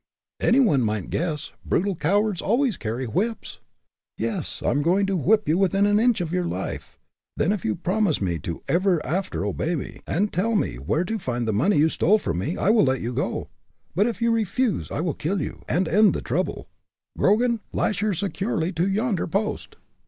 "Any one might guess; brutal cowards always carry whips!" "Yes, I'm going to whip you within an inch of your life. Then, if you promise me to ever after obey me, and tell me where to find the money you stole from me, I will let you go. If you refuse I'll kill you, and end the trouble! Grogan, lash her securely to yonder post!"